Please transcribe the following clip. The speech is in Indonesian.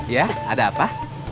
ya ada apa